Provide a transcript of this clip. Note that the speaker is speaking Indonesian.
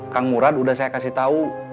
kang murad udah saya kasih tahu